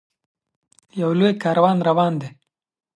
یو لوی کاروان روان دی.